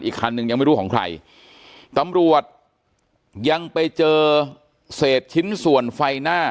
คันหนึ่งยังไม่รู้ของใครตำรวจยังไปเจอเศษชิ้นส่วนไฟหน้า